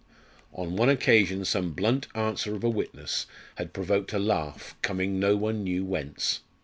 On one occasion some blunt answer of a witness had provoked a laugh coming no one knew whence.